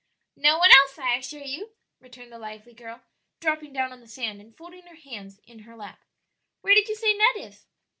"No one else, I assure you," returned the lively girl, dropping down on the sand and folding her hands in her lap. "Where did you say Ned is?"